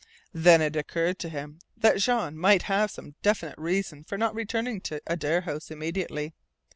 Then it occurred to him that Jean might have some definite reason for not returning to Adare House immediately.